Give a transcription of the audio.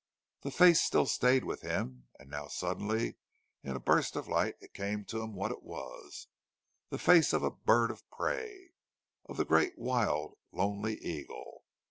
The face still stayed with him; and now suddenly, in a burst of light, it came to him what it was: the face of a bird of prey—of the great wild, lonely eagle!